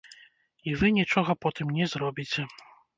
І вы нічога потым не зробіце.